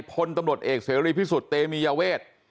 พลตำรวจเอกเสรีพิสุทธิ์เตมียเวท